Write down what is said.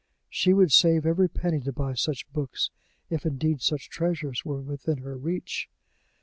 She would save every penny to buy such books, if indeed such treasures were within her reach!